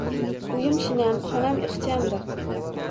Uyim shinam xonam ixchamdir